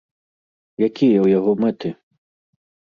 Якія ў яго мэты?